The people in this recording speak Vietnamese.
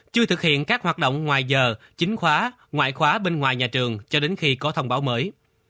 chưa thực hiện các hoạt động ngoài giờ chính khóa ngoại khóa bên ngoài nhà trường cho đến khi có thông báo mới